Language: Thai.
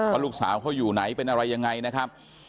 ว่าลูกสาวเขาอยู่ไหนเป็นอะไรยังไงนะครับ